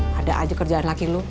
pada aja kerjaan laki lu